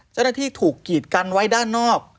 เจ้าหน้าที่ถูกกีดกันไว้ด้านนอก